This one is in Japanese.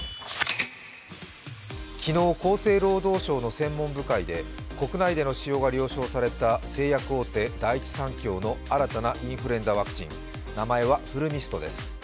昨日、厚生労働省の専門部会で国内での使用が了承された製薬大手・第一三共の新たなインフルエンザワクチン、名前はフルミストです。